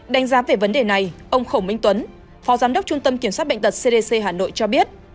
đánh giá về vấn đề này ông khổng minh tuấn phó giám đốc trung tâm kiểm soát bệnh tật cdc hà nội cho biết